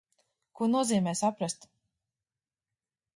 Ko nozīmē saprast?